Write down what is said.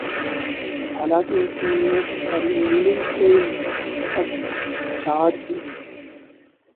حالانکہ ان میں چھلنی کوئی نہیں، سب چھاج ہی ہیں۔